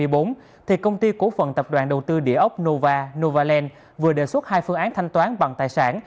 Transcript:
vào tháng ba năm hai nghìn hai mươi bốn công ty cổ phận tập đoàn đầu tư địa ốc nova novaland vừa đề xuất hai phương án thanh toán bằng tài sản